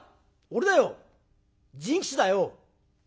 「俺だよ甚吉だよ」。